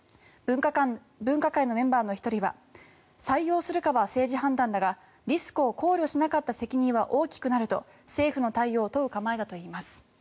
分科会のメンバーの１人は採用するかは政治判断だがリスクを考慮しなかった責任は大きくなると政府の対応を問う構えだといいます。